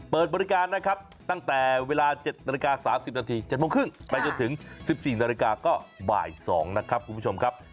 เปิดบริการนะครับตั้งแต่เวลา๗นาฬิกา๓๐นาที๗โมงครึ่งไปจนถึง๑๔นาฬิกาก็บ่าย๒นะครับคุณผู้ชมครับ